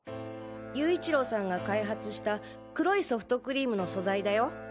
勇一郎さんが開発した黒いソフトクリームの素材だよ。